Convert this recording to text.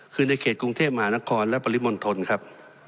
คือในเขตกรุงเทพมหานครและปริมณฑลครับ